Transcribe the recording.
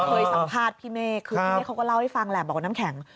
เคยสัมภาษณ์พี่เมฆคือพี่เมฆเขาก็เล่าให้ฟังแหละบอกว่าน้ำแข็ง